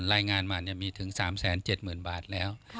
ไล่งานมาเนี้ยมีถึงสามแสนเจ็ดหมื่นบาทแล้ว